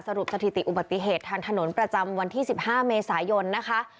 สถิติอุบัติเหตุทางถนนประจำวันที่๑๕เมษายนนะคะ